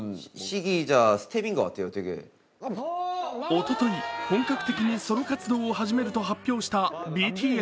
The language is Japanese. おととい、本格的にソロ活動を始めると発表したＢＴＳ。